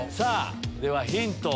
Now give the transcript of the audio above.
ではヒント。